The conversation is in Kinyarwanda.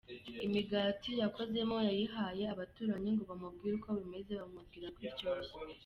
Imigati yakozemo yayihaye abaturanyi ngo bamubwire uko bimeze, bamubwira ko iryoshye.